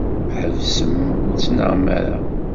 Ḥebsem ur ttnaɣem ara.